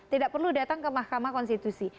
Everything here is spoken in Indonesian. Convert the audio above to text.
tidak perlu datang ke mahkamah konstitusi